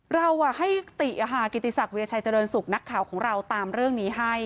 เราให้ติกิติศักดิราชัยเจริญสุขนักข่าวของเราตามเรื่องนี้ให้